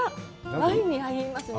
ワインに合いますよね。